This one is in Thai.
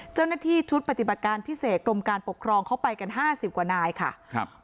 เจ้าหน้าที่ชุดปฏิบัติการพิเศษกรมการปกครองเขาไปกันห้าสิบกว่านายค่ะครับ